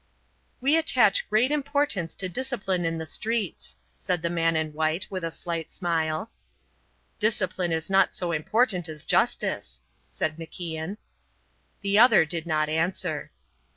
"We attach great importance to discipline in the streets," said the man in white, with a slight smile. "Discipline is not so important as justice," said MacIan. The other did not answer.